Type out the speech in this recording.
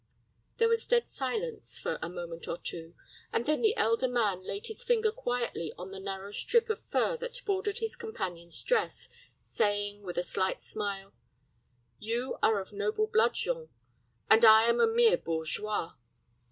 There was a dead silence for a moment or two, and then the elder man laid his finger quietly on the narrow strip of fur that bordered his companion's dress, saying, with a slight smile, "You are of noble blood, Jean, and I am a mere bourgeois."